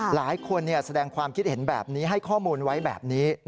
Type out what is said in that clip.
หลายคนแสดงความคิดเห็นแบบนี้ให้ข้อมูลไว้แบบนี้